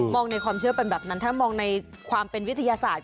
ในความเชื่อเป็นแบบนั้นถ้ามองในความเป็นวิทยาศาสตร์